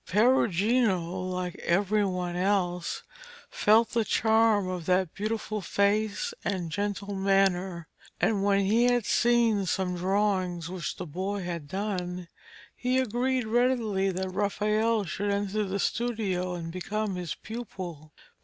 Perugino, like every one else, felt the charm of that beautiful face and gentle manner, and when he had seen some drawings which the boy had done, he agreed readily that Raphael should enter the studio and become his pupil.